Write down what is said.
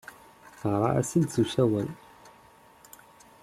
Teɣra-as-d s usawal.